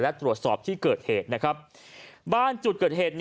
และตรวจสอบที่เกิดเหตุนะครับบ้านจุดเกิดเหตุ